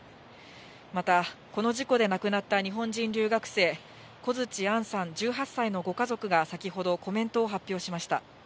また、この事故で亡くなった日本人留学生、小槌杏さん１８歳のご家族が先ほどコメントを発表しました。